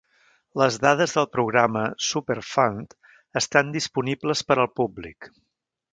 Les dades del Programa Superfund estan disponibles per al públic.